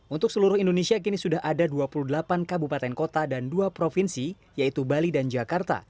untuk seluruh indonesia kini sudah ada dua puluh delapan kabupaten kota dan dua provinsi yaitu bali dan jakarta